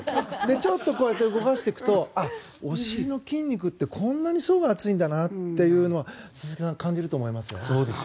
ちょっと動かしていくとあっ、お尻の筋肉ってこんなに層が厚いんだなと佐々木さん感じると思います。